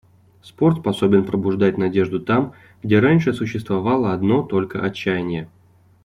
Спорт способен пробуждать надежду там, где раньше существовало одно только отчаяние.